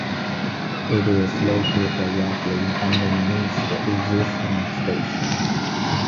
It is located directly underneath the existing station.